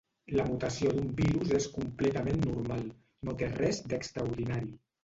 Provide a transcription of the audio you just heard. La mutació d’un virus és completament normal, no té res d’extraordinari.